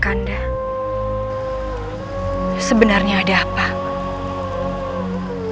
jangan sampai ada lagipentuan